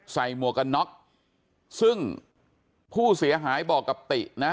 ใส่มวกน็อคซึ่งผู้เสียหายบอกกับตินะ